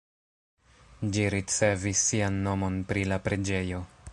Ĝi ricevis sian nomon pri la preĝejo.